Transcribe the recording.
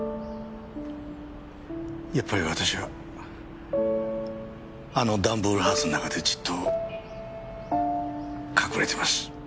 やっぱり私はあのダンボールハウスの中でじっと隠れてます。